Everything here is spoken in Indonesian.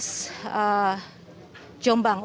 ini juga seperti yang disampaikan oleh polda jawa timur